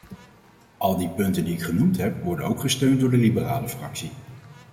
Al die punten die ik genoemd heb worden ook gesteund door de liberale fractie.